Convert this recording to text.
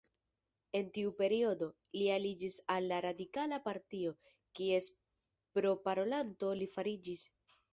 En tiu periodo, li aliĝis al la Radikala Partio, kies proparolanto li fariĝis.